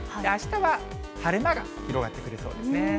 あしたは晴れ間が広がってくるそうですね。